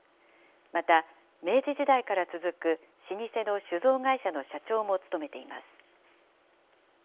また、明治時代から続く老舗の酒造会社の社長も務めています。